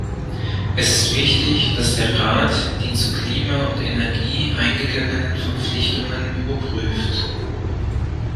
Es ist wichtig, dass der Rat die zu Klima und Energie eingegangenen Verpflichtungen überprüft.